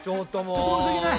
ちょっと申し訳ない。